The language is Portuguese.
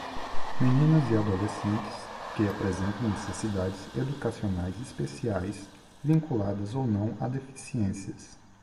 meninas e adolescentes que apresentam necessidades educacionais especiais, vinculadas ou não a deficiências.